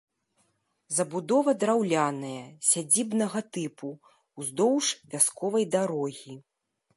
Забудова драўляная, сядзібнага тыпу, уздоўж вясковай дарогі.